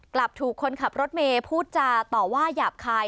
กลับถูกคนขับรถเมย์พูดจาต่อว่าหยาบคาย